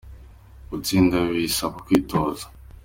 Gutsinda bisaba kwitoza.